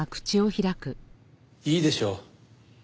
いいでしょう。